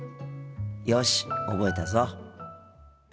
よし覚えたぞ。